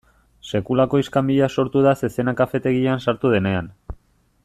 Sekulako iskanbila sortu da zezena kafetegian sartu denean.